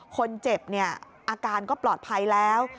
คนเจ็บอาการก็ปลอดภัยแล้ว